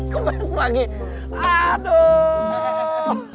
kempes lagi aduh